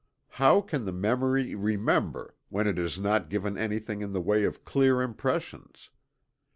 How can the memory remember, when it is not given anything in the way of clear impressions?